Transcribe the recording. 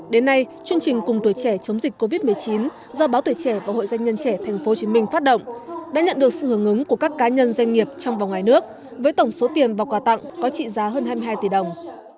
đến nay chương trình cùng tuổi trẻ chống dịch covid một mươi chín do báo tuổi trẻ và hội doanh nhân trẻ tp hcm phát động đã nhận được sự hưởng ứng của các cá nhân doanh nghiệp trong và ngoài nước với tổng số tiền và quà tặng có trị giá hơn hai mươi hai tỷ đồng